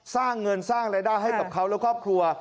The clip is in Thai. สร้างเงินสร้างรายได้ให้กับเขาและครอบครัว